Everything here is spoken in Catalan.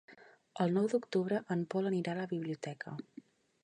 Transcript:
El nou d'octubre en Pol anirà a la biblioteca.